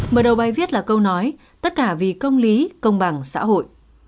mở đầu bài viết là câu nói tất cả vì công lý công bằng xã hội